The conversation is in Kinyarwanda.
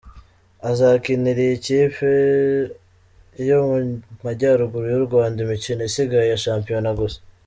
Azakinira iyi kipe yo mujyaraguru y’ u Rwanda imikino isigaye ya shampiyona gusa.